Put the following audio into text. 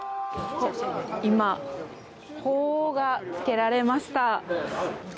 今鳳凰がつけられました。